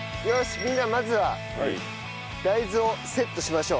みんなまずは大豆をセットしましょう。